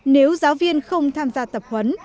nếu giáo viên không tham gia tập huấn